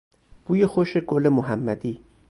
بوی خوش گل محمدی